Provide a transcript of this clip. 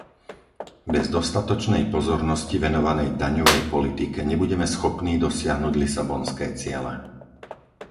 Bez dostatočnej pozornosti venovanej daňovej politike nebudeme schopní dosiahnuť lisabonské ciele.